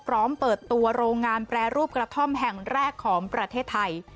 เปิดตัวโรงงานแปรรูปกระท่อมแห่งแรกของประเทศไทย